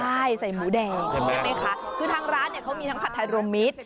ใช่ใส่หมูแดงคือทางร้านเนี่ยเขามีทั้งผัดไทยโรมมิตร